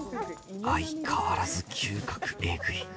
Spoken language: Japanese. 相変わらず嗅覚えぐい。